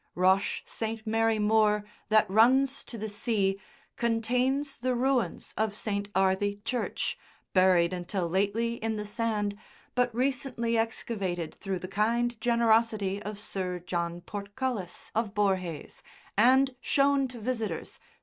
Roche St. Mary Moor, that runs to the sea, contains the ruins of St. Arthe Church (buried until lately in the sand, but recently excavated through the kind generosity of Sir John Porthcullis, of Borhaze, and shown to visitors, 6d.